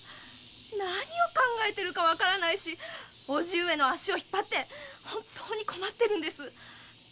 何を考えてるかわからないし叔父上の足を引っぱって本当に困ってるんです！